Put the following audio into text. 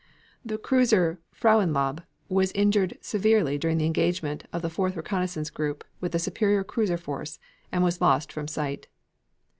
The cruiser Frauenlob was injured severely during the engagement of the fourth reconnoissance group with a superior cruiser force, and was lost from sight.